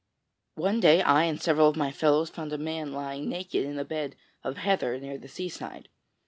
One day I and several of my fellows found a man lying naked in a bed of heather near the seaside.